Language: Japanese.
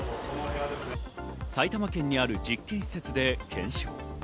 埼玉県にある実験施設で検証。